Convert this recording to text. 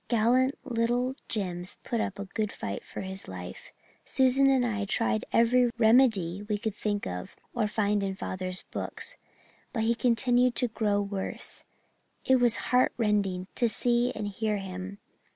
"Gallant little Jims put up a good fight for his life, Susan and I tried every remedy we could think of or find in father's books, but he continued to grow worse. It was heart rending to see and hear him.